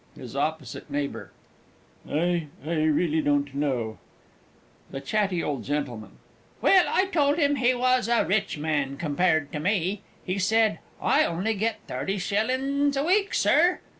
HIS OPPOSITE NEIGHBOUR. I I really don't know. THE C. O. G. Well, I told him he was a rich man compared to me. He said "I only get thirty shillings a week, Sir."